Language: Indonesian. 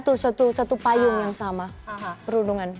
ini satu satu payung yang sama perundungan